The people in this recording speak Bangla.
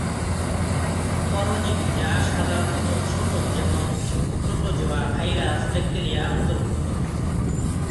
পরজীবী যা সাধারণত ছোট যেমন প্রোটোজোয়া, ভাইরাস, ব্যাকটেরিয়া অন্তর্ভুক্ত।